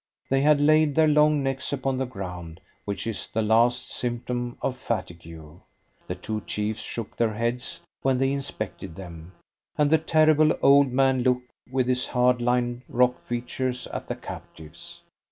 They had laid their long necks upon the ground, which is the last symptom of fatigue. The two chiefs shook their heads when they inspected them, and the terrible old man looked with his hard lined, rock features at the captives.